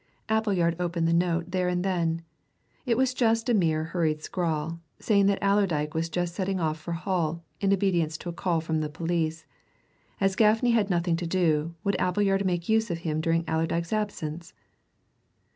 Appleyard opened the note there and then. It was a mere hurried scrawl, saying that Allerdyke was just setting off for Hull, in obedience to a call from the police; as Gaffney had nothing to do, would Appleyard make use of him during Allerdyke's absence?